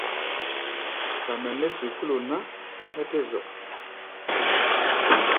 Ka mɛ nɛ́ sukúlu ná, mɛ́ tɛ́ zɔk.